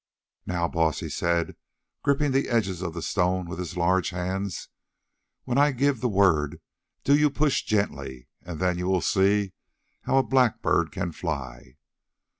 "Now, Baas," he said, gripping the edges of the stone with his large hands, "when I give the word do you push gently, and then you will see how a black bird can fly.